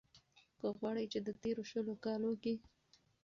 که غواړۍ ،چې د تېرو شلو کالو کې